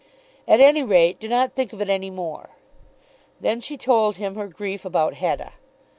"At any rate do not think of it any more." Then she told him her grief about Hetta.